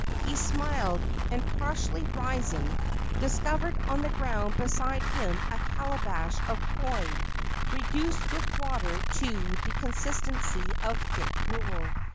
He smiled, and, partially rising, discovered on the ground beside him a calabash of poi, reduced with water to the consistency of thick gruel.